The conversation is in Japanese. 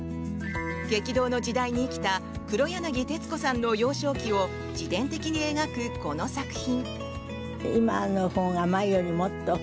激動の時代に生きた黒柳徹子さんの幼少期を自伝的に描く、この作品。